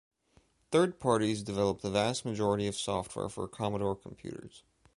Third parties developed the vast majority of software for Commodore computers.